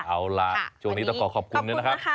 เอาล่ะวันนี้ต้องขอขอบคุณนะค่ะ